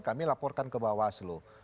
kami laporkan ke bawah selu